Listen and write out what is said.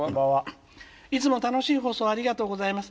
「いつも楽しい放送ありがとうございます。